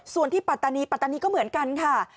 ส่วนที่ปัตตานีปัตตานีก็เหมือนกันค่ะ